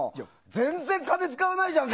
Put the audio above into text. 全然、金使わないじゃん